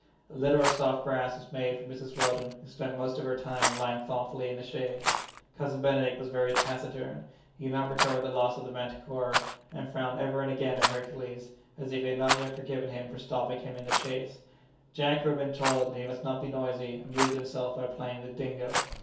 A litter of soft grass was made for Mrs. Weldon, who spent most of her time lying thoughtfully in the shade. Cousin Benedict was very taciturn; he had not recovered the loss of the manticora, and frowned ever and again at Hercules, as if he had not yet forgiven him for stopping him in the chase. Jack, who had been told that he must not be noisy, amused himself by playing with Dingo.